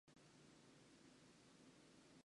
大きな柵に沿って、一周歩いてみた